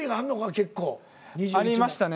結構。ありましたね。